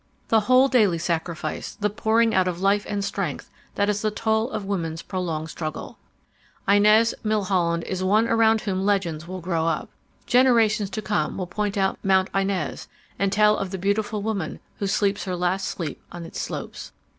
The whole daily sacrifice, the pouring out of life and strength that is the toll of woman's prolonged struggle. "Inez Milholland is one around whom legends will grow up. Generations to come will point out Mount Inez and tell of the beautiful woman who sleeps her last sleep on its slopes.